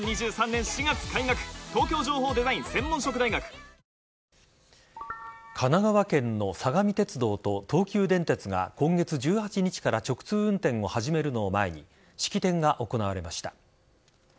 雪崩に巻き込まれたと神奈川県の相模鉄道と東急電鉄が今月１８日から直通運転を始めるのを前に式典が行われました。